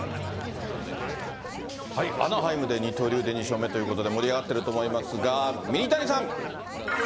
アナハイムで二刀流で２勝目ということで、盛り上がってると思いますが、ミニタニさん。